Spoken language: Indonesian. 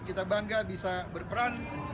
kita bangga bisa berperan